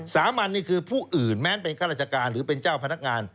สามัญนี่คือผู้อื่นแม้เป็นข้าราชการหรือเป็นเจ้าพนักงาน